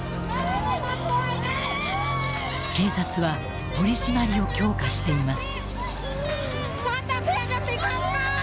警察は取締りを強化しています。